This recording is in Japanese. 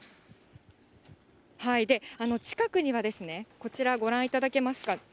ーちかくにはこちら、ご覧いただけますかね。